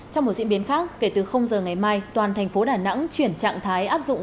trong một diễn biến khác kể từ giờ ngày mai toàn thành phố đà nẵng chuyển trạng thái áp dụng